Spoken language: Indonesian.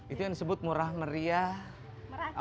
itu yang disebut murah meriah